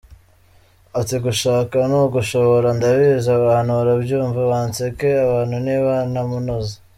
Ati “Gushaka ni ugushobora, ndabizi abantu barabyumva banseke, abantu nib a nta munoza.